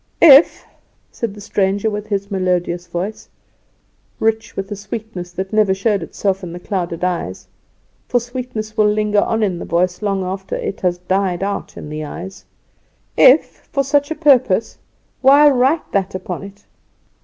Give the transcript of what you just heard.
"If," said the stranger, with his melodious voice, rich with a sweetness that never showed itself in the clouded eyes for sweetness will linger on in the voice long after it has died out in the eyes "if for such a purpose, why write that upon it?"